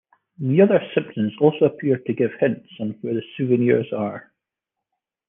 The other Simpsons also appear to give hints on where the souvenirs are.